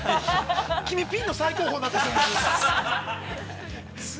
君、ピンの最高峰なんです。